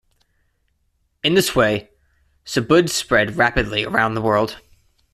In this way, Subud spread rapidly around the world.